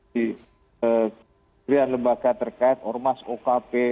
di pilihan lembaga terkait ormas okm dan lain lain